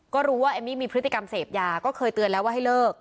ก็รู้ว่าเอมมี่มีพฤติกรรมเสพยาก็เคยเตือนแล้วว่าให้เลิก